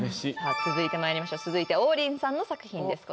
続いてまいりましょう王林さんの作品です